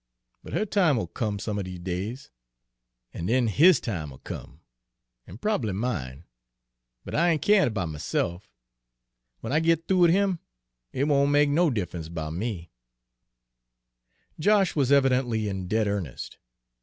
But her time'll come some er dese days, an den his time'll be come an' prob'ly mine. But I ain' keerin' 'bout myse'f: w'en I git thoo wid him, it won' make no diff'ence 'bout me." Josh was evidently in dead earnest.